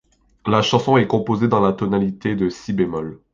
La chanson est composée dans la tonalité de si bémol.